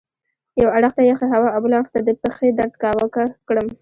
یوه اړخ ته یخې هوا او بل اړخ ته د پښې درد کاواکه کړم.